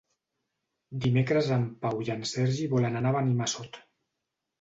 Dimecres en Pau i en Sergi volen anar a Benimassot.